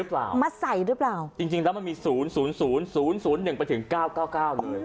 หรือเปล่าจริงแล้วมันมี๐๐๐๐๐๑ประถึง๙๙๙เลย